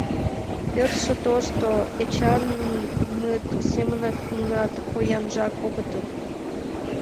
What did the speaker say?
Пӧртшӧ тошто, Эчанмыт семынак нунат поянжак огытыл.